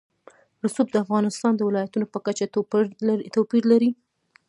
رسوب د افغانستان د ولایاتو په کچه توپیر لري.